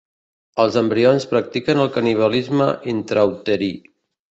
Els embrions practiquen el canibalisme intrauterí.